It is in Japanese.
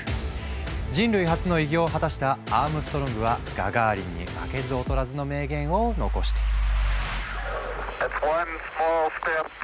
人類初の偉業を果たしたアームストロングはガガーリンに負けず劣らずの名言を残している。